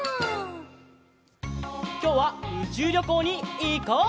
きょうはうちゅうりょこうにいこう！